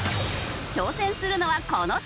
挑戦するのはこの３人。